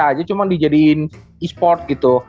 biasa aja cuman dijadiin esports gitu